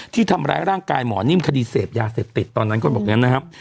ที่ทำร้ายร่างกายหมอนิ่มคดีเสพยาเสพติดตอนนั้นก็บอกอย่างนั้นนะครับ